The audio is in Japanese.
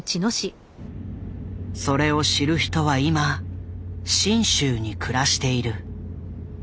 それを知る人は今信州に暮らしている。